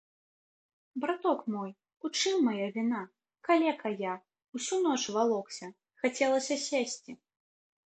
Браток мой, у чым мая віна, калека я, усю ноч валокся, хацелася сесці.